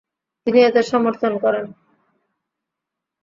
তিনি এতে সমর্থন করেন।